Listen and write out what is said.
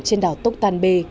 trên đảo tốc tàn b